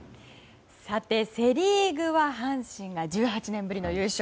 さて、セ・リーグは阪神が１８年ぶりの優勝。